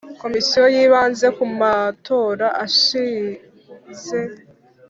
Komisiyo yibanze ku matora ashize